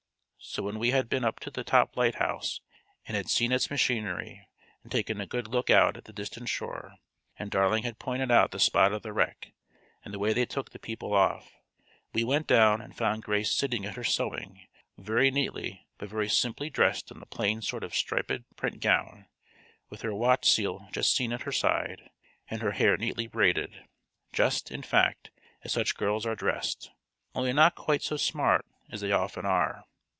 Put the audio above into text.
So when we had been up to the top lighthouse, and had seen its machinery, and taken a good look out at the distant shore, and Darling had pointed out the spot of the wreck, and the way they took the people off, we went down and found Grace sitting at her sewing, very neatly but very simply dressed in a plain sort of striped print gown, with her watch seal just seen at her side and her hair neatly braided just, in fact, as such girls are dressed, only not quite so smart as they often are.